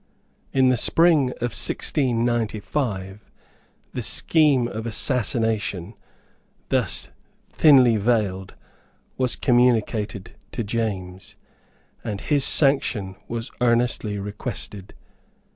In the spring of 1695, the scheme of assassination, thus thinly veiled, was communicated to James, and his sanction was earnestly requested.